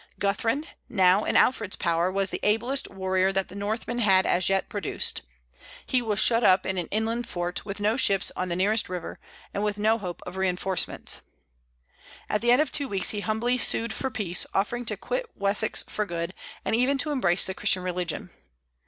Guthrun, now in Alfred's power, was the ablest warrior that the Northmen had as yet produced. He was shut up in an inland fort, with no ships on the nearest river, and with no hope of reinforcements. At the end of two weeks he humbly sued for peace, offering to quit Wessex for good, and even to embrace the Christian religion.